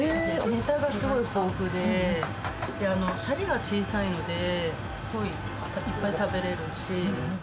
ネタがすごく豊富で、シャリが小さいので、すごいいっぱい食べれるし。